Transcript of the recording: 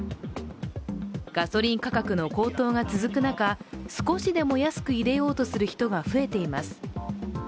ガソリン価格の高騰が続く中、少しでも安く入れようとする人が増えています